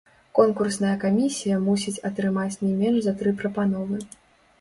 Конкурсная камісія мусіць атрымаць не менш за тры прапановы.